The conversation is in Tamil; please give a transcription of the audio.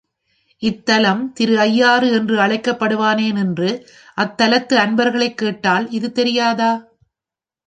இத்தலம் திரு ஐயாறு என்று அழைக்கப் படுவானேன் என்று அத்தலத்து அன்பர்களைக் கேட்டால், இது தெரியாதா?